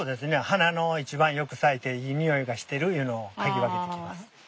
花の一番よく咲いていいにおいがしてるいうのを嗅ぎ分けてきます。